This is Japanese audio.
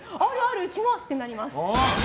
うちも！ってなります。